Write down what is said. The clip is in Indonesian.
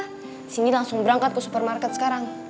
disini langsung berangkat ke supermarket sekarang